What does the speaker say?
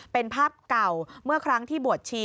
เป็นภาพเก่าเมื่อครั้งที่บวชชี